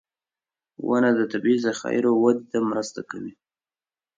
• ونه د طبعي ذخایرو وده ته مرسته کوي.